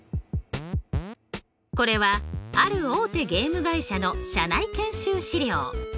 これはある大手ゲーム会社の社内研修資料。